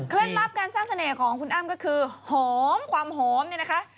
ลับการสร้างเสน่ห์ของคุณอ้ำก็คือหอมความหอมเนี่ยนะคะ